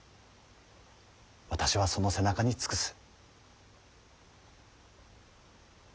私はその背中に尽くす。